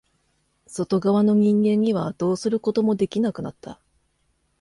外側の人間にはどうすることもできなくなった。